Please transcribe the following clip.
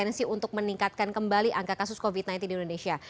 potensi untuk meningkatkan kembali angka kasus covid sembilan belas di indonesia